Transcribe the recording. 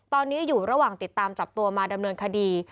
ตอนนี้อยู่ระหว่างติดตามจับตัวมาดำเนินคดี